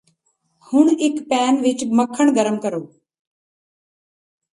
ਹੁਣ ਇਕ ਪੈਨ ਵਿਚ ਮੱਖਣ ਗਰਮ ਕਰੋ